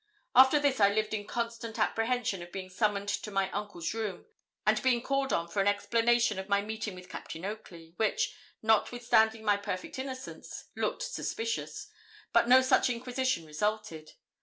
After this I lived in constant apprehension of being summoned to my uncle's room, and being called on for an explanation of my meeting with Captain Oakley, which, notwithstanding my perfect innocence, looked suspicious, but no such inquisition resulted.